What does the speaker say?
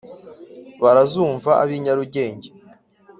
barazumva ab' i nyarugenge